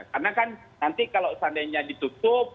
karena kan nanti kalau seandainya ditutup